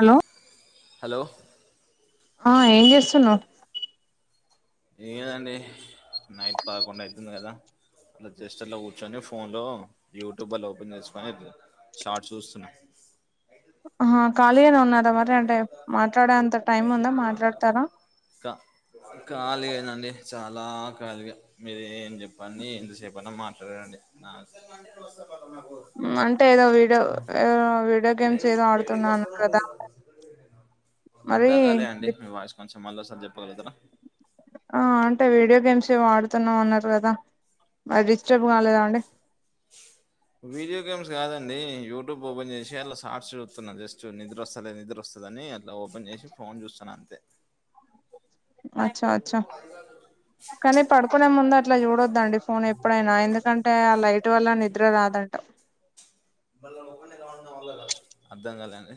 Hello hello హా ఏం జేస్తున్నావ్ ఏమ్ లేదండి, నైట్ పదాకొండు అయితుంది గదా. అలా జస్ట్ అట్లా కూర్చొని ఫోన్ లో, యూట్యూబ్ అలా ఓపెన్ జేస్కొని [unintelligible] షార్ట్ చూస్తున్నా ఆహా ఖాళీ అనే ఉన్నారా మరి అంటే మాట్లాడేంత టైం ఉందా మాట్లాడతారా. ఖాళీగానాండి చాలా ఖాళీగా మీరు ఏం జెప్పండి, ఎంతసేపన్న మాట్లాడండి [unintelligible] ఉమ్ అంటే ఏదో వీడియో, ఆ వీడియో గేమ్స్ ఏదో ఆడుతున్నా అన్నారు కదా. మరి అర్థంకాలే అండి డి- మీ వాయిస్ కొంచెం, మళ్ళోసారి జెప్పగలుగుతారా. ఆ అంటే వీడియో గేమ్స్ ఏవో ఆడుతున్నా అన్నారు గదా, మరి డిస్టర్బ్ కాలేదా అండి. వీడియో గేమ్స్ కాదండి, యూట్యూబ్ ఓపెన్ చేసి అలా సార్ట్స్ జుత్తున్నా, జస్ట్ నిద్ర ఒస్తాలే నిద్ర ఒస్తది అని. ఇలా ఓపెన్ జేసి ఫోన్ జూస్తాన్న అంతే. అచ్చా అచ్చా కానీ పడుకునే ముందు అట్లా చూడొద్దండి ఫోన్ ఎప్పుడైనా ఎందుకం టే ఆ లైట్ వల్ల నిద్ర రాదట అర్ధంకాలే అండి.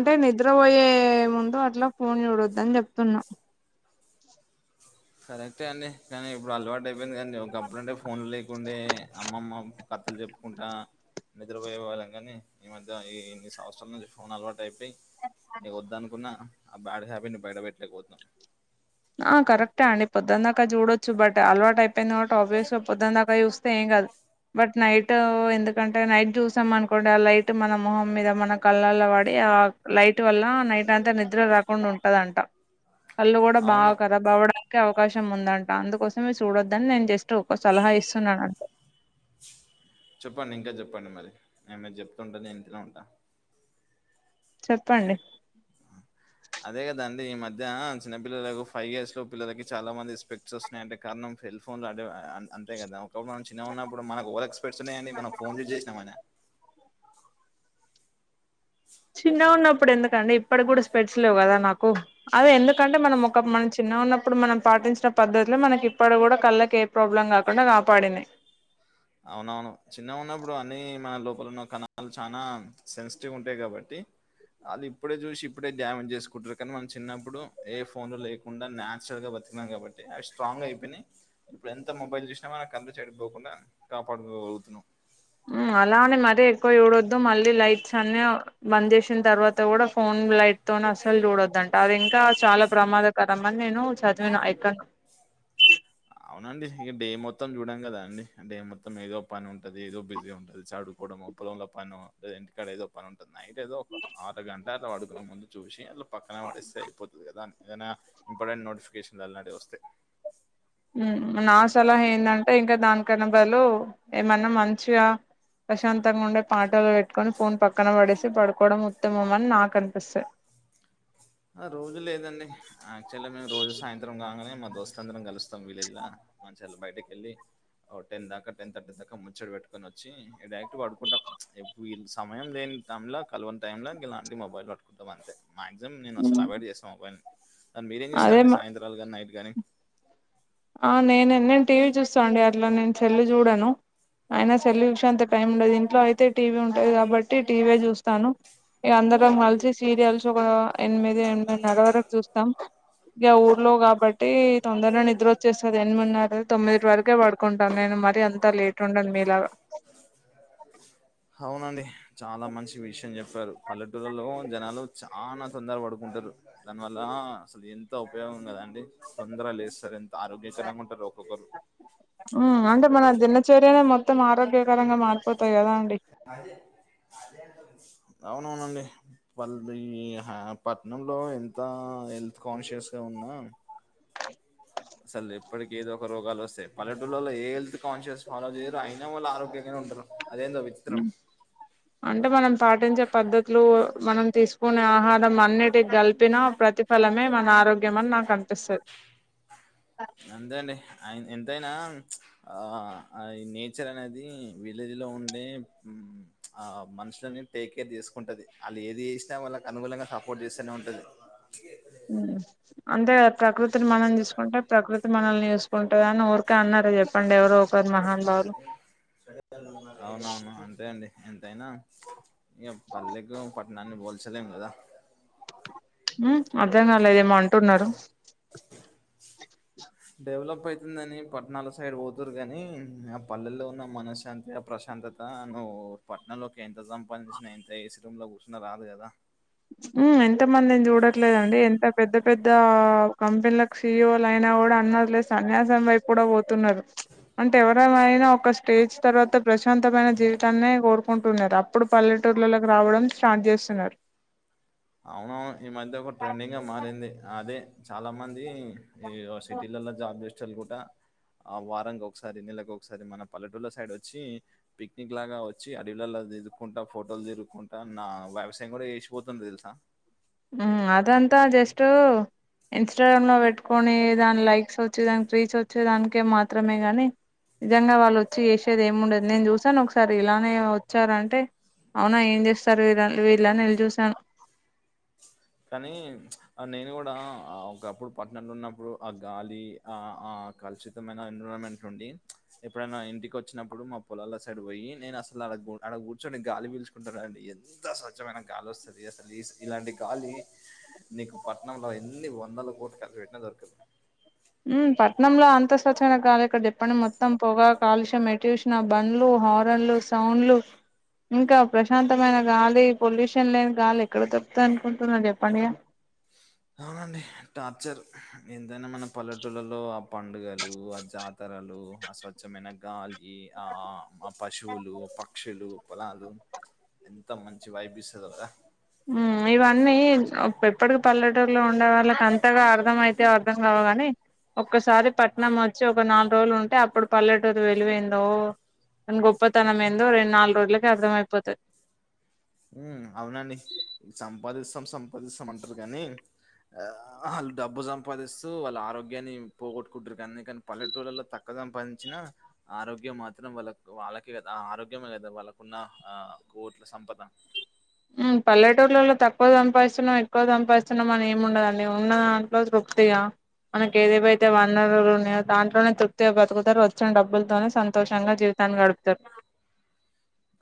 అంటే నిద్రపోయే ముందు అట్లా ఫోన్ చూడొద్దని జెప్తున్నా. కరెక్టే అండి, కానీ ఇప్పుడు అలవాటు అయిపోయింది కదండి ఒక్కప్పుడంటే ఫోన్లు లేకుండే అమ్మమ్మ కథలు జెప్పుకుంటా నిద్రపోయే వాళ్ళం గాని ఈ మధ్య, ఈ ఇన్ని సంవత్సరాల నుంచి ఫోన్ అలవాటు అయిపోయి ఇగ వద్దనుకున్నా ఆ బ్యాడ్ హ్యాబిట్ నీ బయట పెట్టలేకపోతున్నం. ఆ కరక్టే అండి, పొద్దందాక చూడొచ్చు బట్ అలవాటు అయిపోయింది కబట్టి ఆబ్వియస్ గా పొద్దన్ దాక్ క జూస్తే ఏం కాదు, బట్ నైట్ ఎందుకంటే నైట్ జూసాం అనుకోండి ఆ లైట్ ట్ మన మొహం మీద, మన కళ్ళల్లో వడి ఆ లైట్ వల్ల నైట్ అంతా నిద్ర రాకుండా ఉంటదంట. కళ్ళు గుడం అవును కరాబ్ అవ్వడానికి అవకాశం ఉందంట, అందుకోసమే సుడొద్దని నేను జస్ట్ ఒక సలహా ఇస్తున్నానంతే. చెప్పండి ఇంకా చెప్పండి మరి నేన్ మీర్ చెప్తుంటే నేన్ ఇంట ఉంటా. చెప్పండి అదే కదాండి ఈ మధ్య చిన్నపిల్లలకు ఫైవ్ ఇయర్స్ లో పిల్లలకి చాలా మంది స్పెక్ట్స్ ఒస్ అంటే కారణం సెల్ ఫోన్లులాడే ఆ ఆ అంతే కదా పాపం మన చిన్న ఉన్నప్పుడు మన ఓవర్ ఎక్స్ప్రెషనే అండి మనం ఫోన్ యూస్ చేసినం అన స్స్ చిన్నగా ఉన్నప్పుడు ఎందుకండి ఇప్పటికి గుడా స్పెడ్స్ లేవ్ గాదా నాకు. అదే ఎందుకంటే మనం ఒక మనం చిన్నగా ఉన్నప్పుడు మనం పాటించిన పద్ధతిలో మనకి ఇప్పుడు కూడా కళ్ళకేం ప్రాబ్లం కాకుండా కాపాడింది అవునవును చిన్నగ ఉన్నప్పుడు అన్ని మన లోపలన్న కణాలు చానా సెన్సిటివ్ ఉంటాయి కాబట్టి వాళ్ళు ఇప్పుడే చూసి ఇప్పుడే డ్యామేజ్ చేసుకుంటారు కానీ మనం చిన్నప్పుడు ఏ ఫోన్ లో లేకు కుండా నేచురల్ గా బతికినం కాబట్టి అవి స్ట్రాంగ్ గా అయిపోయినయి ఇప్పుడు ఎంత మొబైల్ చూసినా మనం కళ్ళు చెడిపోకుండా కాపాడుకోగలుగుతున్నాం ఉం అలానే మరీ ఎక్కువ చూడొద్దు మళ్ళీ లైట్స్ అన్ని బంద్ చేసిన తర్వాత కూడా ఫోన్ లైట్ తోను అసలు చూడొద్దంట అది ఇంకా చాలా ప్రమాద కదా మరి నేను చదివిన ఎక్కణ్ణో అవునండి ఇక డే మొత్తం చూడాం కదా అండి డే మొత్తం ఏదో పని ఉంటది ఏదో బిజీ ఉంటుది చడుకోవడం పొలంలో పనో లేదా ఇంటికాడ ఏదో పని ఉంటుంది నైట్ ఏదో ఒక ఆరగంట అలా ప డుకునే ముందు చూసి అలా పక్కన పడేస్తే అయిపోతది కదా ఏదైనా ఇంపార్టెంట్ నోటిఫికేషన్ అలాంటి వి వస్తే ఉం నా సలహా ఏందంటే ఇంకా దానికన్నా బదులు ఏమన్నా మంచిగా ప్రశాంతంగా ఉండే పాటలు పెట్టుకొని ఫోన్ పక్కన పడేసి పడుకోవడం ఉత్తమం అని నాకు అనిపిస్తంది ఆ రోజు లేదండి యాక్చువల్గా మేము రోజు సాయంత్రం కాంగనే మా దోస్తులాందరం కలుస్తాం విలేజ్ లా మంచి అట్లా బయటకెళ్ళి ఓ టెన్ దాకా టెన్ థర్టీ దాకా ముచ్చడి పెట్టుకొనీ వచ్చి డైరెక్ట్గా పడుకుంటాం వీళ్ళు సమయం లేని టైంలో కలవని టైంలో ఇలాంటి మొబైల్ పట్టుకుంటాం అంతే మాక్సిమం నేను అసలు ఉమ్ అవైడ్ చేస్తాము మొబైల్ ని ఆ మీరేం అదే చేస్తారండి మా సాయంత్రాలు కానీ నైట్ కానీ ఆ నేను నేను టీవీ చూస్తాను అండి అట్లా నేను సెల్ చూడను అయిన సెల్ చూసే అంత టైం ఉండది ఇంట్లో అయితే టీవీ ఉంటది కాబట్టి టీవీయే చూస్తాను ఇగ అందరం కలిసి సీరియల్స్ కూడా ఎనిమిది ఎనిమిదిన్నర వరకు చూస్తాం ఇగ ఊర్లో కాబట్టి తొందర గా నిద్ర వచ్చేస్తది ఎనిమిన్నర తొమ్మిది వరకే పడుకుంటాను నేను మరి అంత లేట్ ఉండను మీలాగా అవునండి చాలా మంచి విషయం చెప్పారు పల్లెటూరులో జనాలు చానా తొందర పడుకుంటారు దానివల్ల అసలు ఎంత ఉపయోగం కదండి తొందర లేస్తారు ఎంత [unintelligible] ఆరోగ్య చ నా కొంట రోక క ఉం అంటే మన దినచర్యనే మొత్తం ఆరోగ్యకరంగా మారిపోతాయి కదా అండి అదే అవునవునండి [unintelligible] వాళ్ళ పట్నంలో ఎంత హెల్త్ కాన్షియస్ గా ఉన్నా ఆ అసలు ఎప్పటిక ఏదో ఒక రోగాలు వస్తయి పల్లెటుళ్లలో ఏ హెల్త్ కాన్షియస్ ఫాలో చేయరు అయినా వాళ్ళు ఆరోగ్యంగనే ఉంటారు అదేందో విచి ఉం అంటే మనం పాటించే పద్ధతులు మనం తీసుకునే ఆహారం అన్నిటి కలిపినా ప్రతి ఫలమే మన ఆరోగ్యం అని నాకు అనిపిస్తది అంతే అండి అయ ఎంతయినా ఆ అ నేచర్ అనేది విలేజ్ లో ఉండే చ్ ఆ మనుషులని టేక్ కేర్ చేసుకుంటది అల్లు ఏది చేసినా వాళ్ళకి అనుకులంగా సపోర్ట్ చేస్తనే ఉంటది అ ఉం అంతే ప్రకృతిని మనం తీసుకుంటే ప్రకృతి మనల్ని తీసు కుంటుదని ఊరకే అన్నారు చెప్పండి ఎవరు అవునవును అంతే అండి ఎంతైనా ఇగ పల్లేకు పట్నాన్ని పోల్చలేం కదా ఉం అర్థం కాలదేమో అంటున్నారు డెవలప్ అయితుందని పట్టణాల సైడ్ పోతురు కాని ఆ పల్లెల్లో ఉన్న మనశ్శాంతి ప్రశాంతత ఎంత నువ్వు పట్నంలోకి ఎంత సంపాదించిన ఎంత ఏసీ రూమ్ లో కూర్చున్నా రాదు కదా మ్మ్ ఎంతమందిని చూడట్లేదండి ఎంత పెద్ద పెద్ద కంపెనీలకు సిఇఓ లు అయినా కూడా అన్ని వదిలేసి సన్యాసం వైపు కూడా పోతున్నారు అంటే ఎవరమైనా ఒక ఒక ఏజ్ తర్వాత ప్రశాంతమైన జీవితాన్నే కోరుకుంటున్నారు అప్పుడు పల్లెటూర్లకి రావడం స్టార్ట్ చేస్తున్నారు అవునవును ఈ మధ్య ఒక ట్రెండింగ్ గా మారింది అదే చాలా మంది ఇ సిటీలల్లో జాబ్ చేసెటోళ్ళు కూడ ఆ వారానికి ఒకసారి నెలకు ఒకసారి మన పల్లెటూళ్లా సైడ్ వచ్చి పిక్నిక్ లాగా వచ్చి అడవిలల్లో తిరుగుకుంటా ఫోటోలు తిరుగుకుంటా నా వ్యవసాయం కూడా చేసిపోతుండ్రు తెలుసు ఆ మ్మ్ అదంతా జస్టు ఇన్ స్టాగ్రామ్ లో పెట్టుకొని దాని లైక్స్ వచ్చే దానికి రీచ్ వచ్చేదానికే మాత్రమే గాని నిజంగా వాళ్ళు వచ్చి చేసేది ఏమి ఉండదు నేను చూసాను ఒకసారి ఇలానే వచ్చారంటే అవునా ఏం చేస్తారు వీళ్ళ వీళ్ళాని యేళ్ళి చూసాను కానీ నేను కూడా ఒకప్పుడు పట్టణంలో ఉన్నప్పుడు ఆ గాలి ఆ ఆ కలుషితమైన ఎన్వారాన్మెంట్ నుండి ఎప్పుడైనా ఇంటికి వచ్చినప్పుడు మా పొలాల సైడ్ పోయి నేను అసలు అడ అడ కూర్చొని గాలి పీల్చుకుంటానండి ఎంత స్వచ్ఛమైన గాలి వస్తాది అసలు ఇస్ ఇలాంటి గాలి నీకు పట్టణంలు ఎన్ని వందల కోట్లు ఖర్చు పెట్టిన దొరకదు మ్మ్ పట్నంలో అంత స్వచ్ఛమైన గాలి ఎక్కడిది చెప్పండి మొత్తం పొగా కాలుష్యం ఎటు చూసినా బండ్లు హారన్లు సౌండ్లు ఇంకా ప్రశాంతమైన గాలి పొల్యూషన్ లేని గాలి ఎక్కడ దొరుకుతాది అనుకుంటున్నరు చెప్పండి ఇగ అవునండి టార్చర్ ఎంతైనా మన పల్లెటూల్లలో ఆ పండుగలు ఆ జాత తరాలు అ స్వచ్ఛమైన గాలి ఆ ఆ పశువులు పక్షులు పొలాలు ఎంత మంచి వైబ్ ఇస్తాదో కదా మ్మ్ ఇవన్నీ ఎప్పటికి పల్లెటూరులో ఉండే వాళ్ళకి అంత కొత్తగా అర్థం అయితాయో అర్థం కావో కాని ఒక్కసారి పట్నం వచ్చి ఒక నాలుగు రోజులు ఉంటే అప్పుడు పల్లెటూరు విలువేందో దాని గొప్పతనం ఏందో రెండు నాలుగు రోజులకే అర్థమైపోతాది మ్మ్ అవునండి సంపాదిస్తాం సంపాదిస్తాం అంటారు కానీ ఆ వాళ్ళు డబ్బు సంపాదిస్తూ వాళ్ళ ఆరోగ్యాన్ని పోగొట్టుకుంటారు అందుకని పల్లెటూళ్లలో తక్కువ సంపాదించిన ఆరోగ్యం మాత్రం వాళ్ళకు వాళ్ళకె కదా ఆ ఆరోగ్యమే కదా ఆ వాళ్ళకున్న ఆ కోట్ల సంపద మ్మ్ పల్లెటూర్లలో తక్కువ సంంపాదిస్తున్నాం ఎక్కువ సంంపాదిస్తున్నాం అని ఏమి ఉండదండి ఉన్న దాంట్లో తృప్తిగా మనకి ఏది ఏవి అయితే వనరులు ఉన్నాయో దాంట్లోనే తృప్తిగా బతుకుతారు వచ్చిన డబ్బులతోనే సంతోషంగా జీవిత తాన్ని గడుపుతారు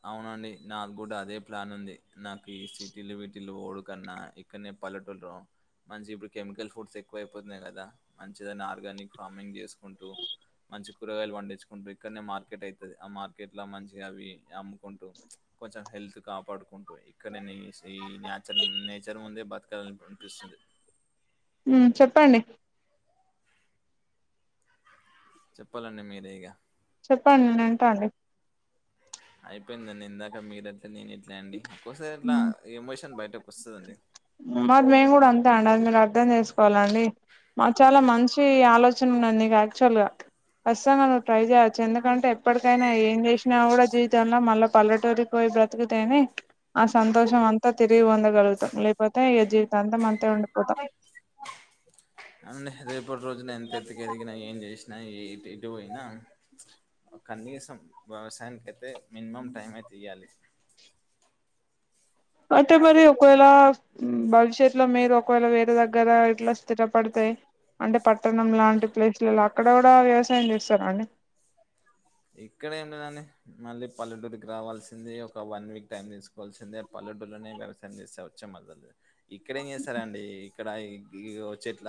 అవునండి నాకు కూడా అదే ప్లాన్ ఉంది నాకు ఈ సిటీలు వీటిలో పోవుడు కన్నా ఇక్కన్నె పల్లెటూర్లో మంచిగా ఇప్పుడు కెమికల్ ఫుడ్స్ ఎక్కువ అయిపోతున్నాయి కదా మంచిగా దాన్ని ఆర్గానిక్ ఫార్మింగ్ చేసుకుంటూ మంచిగా కూరగాయలు పండించుకుంటు ఇక్కడనే మార్కెట్ అయితాది ఆ మార్కెట్ లో మంచిగా అవి అమ్ముకుంటూ కొంచెం హెల్త్ కాపాడుకొ ఇక్కడనే ఈ న్యాచర్ నేచర్ ముందే బతకాలి అనిపిస్తుంది మ్మ్ చెప్పండి చెప్పాలండి మీరే ఇగ చెప్పండి నేను వింటా అండి అయిపోయింద ఇందాక మీరు అట్లే నేను ఇట్లా అండి ఒక్కసారి అట్లా మ్మ్ ఎమోషన్ బయటకి వస్తుందండి మరి మేము కూడా అంతే అండి అది మీరు అర్ధం చేసుకోవాలండి మాకు చాలా మంచి కి ఆలోచన ఉన్నది యాక్చువల్ గా వస్తాను నువ్వు ట్రై చేయచ్చు ఎందుకంటే ఎప్పటికైనా ఏం చేసినా కూడా జీవితంలో మళ్ళీ పల్లెటూరి పోయి బ్రతుకుతేనే ఆ సంతోషం అంతా తిరిగి పొందగలుగుతాం లేకపోతే ఈ జీవితం అంతా అంతే ఉండిపోతాం అండి రేపటి రోజున ఎంత ఎత్తుకు ఎదిగినా ఏం చేసినా ఇటు పోయినా కనీసం వ్యవసాయానికి అయితే మినిమం టైం అయితే ఇయ్యాలి అంటే మరి ఒకవేళ ఉ భవిష్యత్తులో మీరు ఒకవేళ వేరే దగ్గర ఇట్లా స్థిరపడితే అంటే పట్టణం లాంటి ప్లేసులలో అక్కడ కూడా వ్యవసాయం చేస్తారా అండి ఇక్కడ ఏం లేదని మళ్ళీ పల్లెటూరికి రావాల్సిందే ఒక వన్ వీక్ టైం తీసుకోవాలి వలసిందే పల్లెటూరు లోనే వ్యవసయం చేస్తే వచ్చా మళ్ళీ ఇక్కడేం చేస్తారండి ఇక్కడ నీతో చెట్ల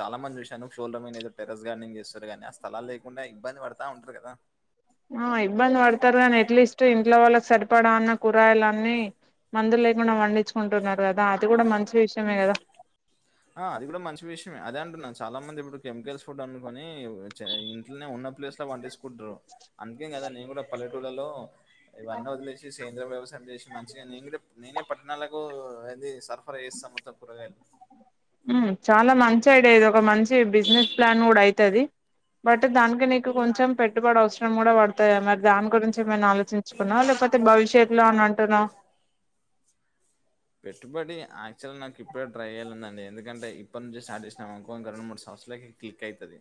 చాలా మంది చూశాను షోల్డర్ మీద టెర్రేస్ గార్డనింగ్ చేస్తారు కానీ ఆ స్థలాలు లేకుండా ఇబ్బంది పడతా ఉంటారు కదా ఆ ఇబ్బంది పడతారు కానీ ఎట్లీస్ట్ ఇంట్లో వాళ్ళకి సరిపడా అన్న కూరయలన్నీ మందులు లేకుండా పండించుకుంటున్నారు కదా అది కూడా మంచి విషయమే కదా ఆ అది కూడా మంచి విషయే అదే అంటున్నా చాలా మంది ఇప్పుడు కెమికల్స్ ఫుడ్ అ కొని చ్ ఇంట్లోనే ఉన్న ప్లేస్ లో పండిచుకుంటారు అందుకే కదా నేను కూడా పల్లెటూళ్లలో ఇవన్నీ వదిలేసి సేంద్రం వ్యవసాయం చేసి మంచిగా నేను నేనే పట్టణాలకు ఏది సరఫరా చేస్తాం మొత్తం కూరగాయలు ఉ చాలా మంచి ఐడియా ఇది ఒక మంచి బిజినెస్ ప్లాన్ కూడా అయితది బట్ దానికి నీకు కొంచెం పెట్టుబడి అవసరం కూడా పడతాయా మరి దాని గురించి ఏమైనా ఆలోచించ చుంకున్నా లేకపోతే భవిష్యత్లో అని అంటున్నావ పెట్టుబడి యాక్చువల్గా నాకు ఇప్పుడ ట్ర పెట్టుబడి యాక్చువల్ ఇప్పుడే ట్రయల్ ఉందండి ఎందుకంటే ఇప్పటి నుంచి స్టార్ట్ చేసినము ఇంకొక రెండు మూడు సంవత్సరాలకి క్లిక్ అయితది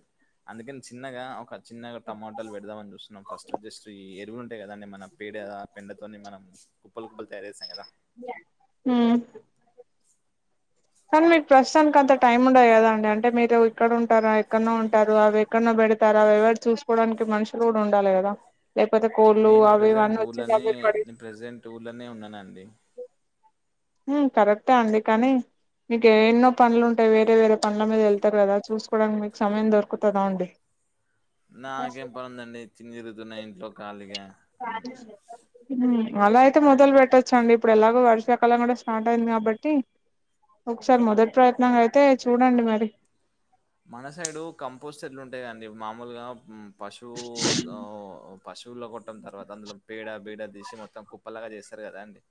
అందుకని చిన్నగా ఒక చిన్నగా టమాటాలు పెడదామని చూస్తు ఫస్ట్ జస్ట్ ఈ ఎరువులు ఉంటాయి కదాండి మన పేడ పెండతోని మనం కుప్పలు కుప్పలు తయారు చేస్తాం కదా ఉ చ్ కానీ మీకు ప్రస్తుతానికి అంత టైం ఉండదు కదాండి అంటే మీరు ఎక్కడుంటరు ఎక్కడో పెడతారు ఎక్కడ ఎక్కడ ఉంటారు ఎక్కడో ఉంటారు అవిఎక్కడనా పెడతారు అవి ఎవరు చూసుకోవడానికి మనుషులు కూడా ఉండాలి కదా లేకపోతే కోళ్ళు అవి ఇవి అన్ని వచ్చి దాంట్లోకి పడిపోతాయి ప్రజెంట్ ఊళ్ళనే ఉన్నానండి ఉ కరెక్టే అండి కానీ మీకు ఎన్నో పనుడ్లుంటయి వేరే వేరే పడ్ల మీద వెళ్తారు కదా చూసుకోవడానికి మీకు సమయం దొరుకుతదా అండి నాకేం పనుందండి తిని తిరుగుతున్న ఇంట్లో ఖాళీగా హ్మ్. ఖాళీగా ఉండలేక అలా అయితే మొదలు పెట్టచ్చండి ఇప్పుడు ఎలాగొ వర్షాకాలం కూడా స్టార్ట్ అయింది కాబట్టి ఒకసారి మొదటి ప్రయత్నంగా అయితే చూడండి మరి మన సైడు కంపోస్ట్ ఎట్లుంటాయిండి మామూలుగా పశువు పశువుల్లో కొట్టమ్ తర్వాత అందులో పేడ ఏడ తీసి మొత్తం కుప్పలాగా చేస్తారు కదా అండి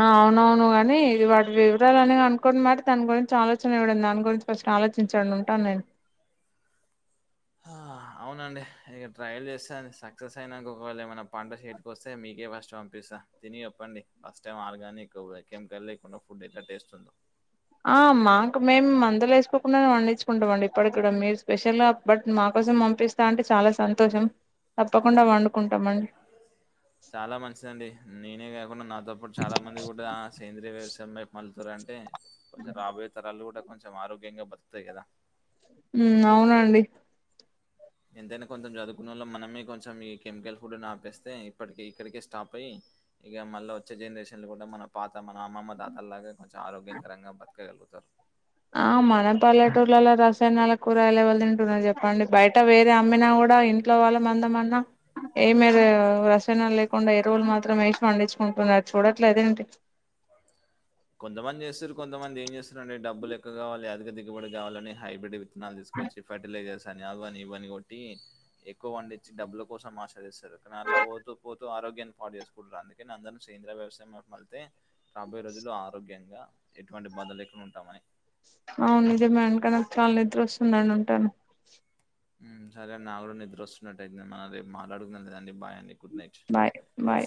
అవునవును గాని ఇది వాటి వివరాలు అని కనుక్కొని మరి దాని గురించి ఆలోచన ఇవ్వడి దాని గురించి ఫస్ట్ ఆలోచించాడి ఉంటాను నేను ఆ అవునండి ఇగా ట్రయల్ చేస్తాను సక్సెస్ అయినాక ఒకవేళ ఏమైనా పంట చేతి వస్తే మీకే ఫస్ట్ పంపిస్త. తిని, చెప్పండి ఫస్ట్ టైం ఆర్గానిక్ కెమికల్ లేకుండా ఫుడ్ ఎట్ల టేస్ట్ ఉందో ఆ మాకు మేము మందులు ఏసుకోకుండా పండించుకుంటం అండి. ఇప్పటి కుడా మీరు స్పెషల్ గా బట్ మా కోసం పంపిస్ తా అంటే చాలా సంతోషం తప్పకుండా వండుకుంటాం అండి. చాలా మంచిదండి నేనే గాకుండ నా తప్పుడు చాలా మంది గుడా సేంద్రీయ వ్యవసాయం వైపు మళ్లుతరు అంటే కొంచెం రాబోయే తరాలు గుడా కొంచెం ఆరోగ్యంగా బతుకుతయి గదా ఉమ్ అవునండి. ఎంతైనా కొంచెం జదువుకున్నోళ్ళం మనమే కొంచెం ఈ కెమికల్ ఫుడ్ ను ఆపేస్తే, ఇప్పటికి ఇక్కడికే స్టాప్ అయ్యి ఇగ మళ్ళ ఒచ్చే జనరేషన్ లో గూడా మన పాత మన అమ్మమ్మ తాత లాగ్గే మంచిగ ఆరోగ్యంకరంగా బతకగలుగుతరు. ఆ మన పల్లెటూర్లలో రసాయనాల కూరగాయలు ఎవలు తింటున్నరు జెప్పండి. బయట వేరే అమ్మినా గుడా ఇంట్లో వాళ్ళ మందమన్నా ఏ మీరు రసాయనాల్లేకుండా ఎరువులు మాత్రం ఏసి పండించుకుంటున్నారు అది చూడట్లేదేంటి? కొంతమంది జేస్తుర్రు కొంతమంది ఏం జేస్తుర్రు అంటే డబ్బులు ఎక్కవ గావాలె, అధిక దిగబడి గావాలనే హైబ్రిడ్ విత్తనాలు దీసుకొచ్చి, ఫర్టిలైజర్స్ అని, అవ్వని ఇవ్వని గొట్టీ ఎక్కువ పండిచ్చి డబ్బుల కోసం ఆశ జేస్తరు. కనీ అండ్ల పోతూ పోతూ ఆరోగ్యాన్ని పాడు జేసు కుంటాంది. అందుకని అందర్ని సేంద్రియ వ్యవసాయం వైపు మళ్ళితే రాబోయే రోజుల్లో ఆరోగ్యంగా ఎటువంటి బాధలు లేకుండా ఉంటామని అవును, నిజమే. ఇంక నాకు చాలా నిద్ర ఒస్తుందండి ఉంటాను. మ్ సరే నాక్ గుడా నిద్ర ఒస్తున్నట్టయితుంది. మనం రేపు మాట్లాడుకుందాం. సరే అండి. బాయ్ అండి, గుడ్ నైట్. Bye bye